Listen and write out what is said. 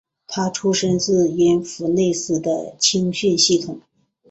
他出身自因弗内斯的青训系统。